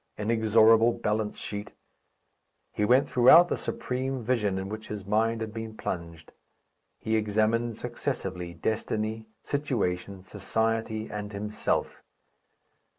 Inexorable balance sheet! He went throughout the supreme vision in which his mind had been plunged. He examined successively destiny, situation, society, and himself.